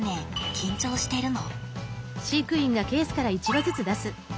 緊張してるの？